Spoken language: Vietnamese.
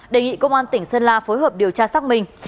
đề nghị công an tỉnh sơn la phối hợp điều tra xác minh